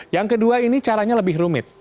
yang kedua ini caranya lebih rumit